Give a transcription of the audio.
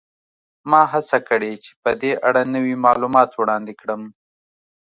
ما هڅه کړې چې په دې اړه نوي معلومات وړاندې کړم